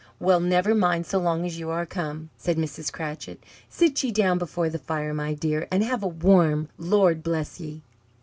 "Well, never mind so long as you are come," said Mrs. Cratchit. "Sit ye down before the fire, my dear, and have a warm, Lord bless ye!"